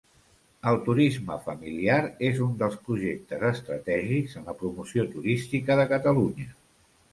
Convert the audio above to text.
El turisme familiar és un dels projectes estratègics en la promoció turística de Catalunya.